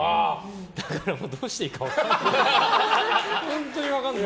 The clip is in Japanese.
だからどうしていいか分かんない。